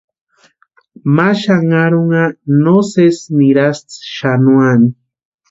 Ma xanharunha no sési nirasti xanuani.